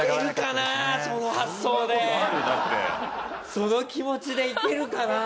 その気持ちでいけるかなあ？